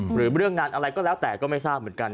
หรือเรื่องงานอะไรก็แล้วแต่ก็ไม่ทราบเหมือนกัน